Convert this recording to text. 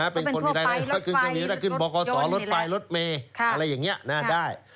เป็นคนมีรายละครเครื่องบครถไฟรถเมอะไรอย่างนี้น่าได้